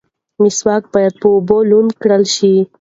مسواک باید په اوبو لوند کړل شي.